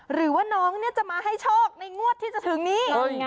หรือว่าน้องจะมาให้โชคในงวดที่จะถึงนี้